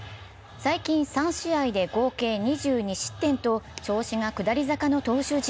最近３試合で合計２２失点と調子が下り坂の投手陣。